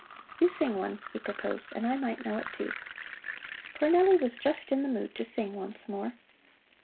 "You sing one," he proposed, "and I might know it, too." Cornelli was just in the mood to sing once more.